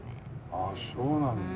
ああそうなんだ。